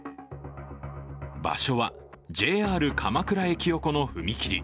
場所はＪＲ鎌倉駅横の踏切。